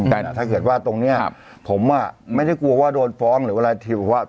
แต่ถ้าเกิดว่าตรงนี้ผมอ่ะไม่ได้กลัวว่าโดนฟ้องหรือเวลาถือว่า